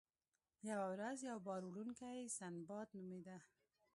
یوه ورځ یو بار وړونکی سنباد نومیده.